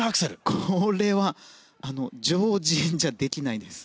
これは常人じゃできないです。